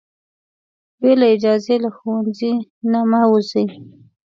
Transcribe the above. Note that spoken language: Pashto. بې له اجازې له ښوونځي نه مه وځئ.